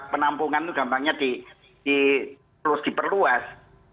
penampungan itu gampangnya terus diperluas